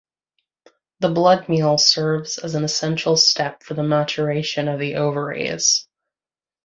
The blood meal serves as an essential step for the maturation of the ovaries.